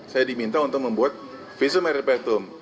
saya diminta untuk membuat visumeter petum